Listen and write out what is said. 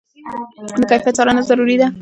د کیفیت څارنه ضروري ده.